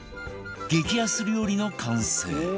激安料理の完成